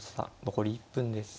残り１分です。